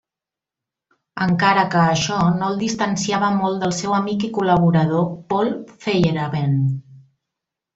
Encara que això no el distanciava molt del seu amic i col·laborador Paul Feyerabend.